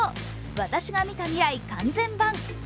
「私が見た未来完全版」。